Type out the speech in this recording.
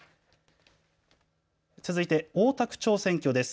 続いて大田区長選挙です。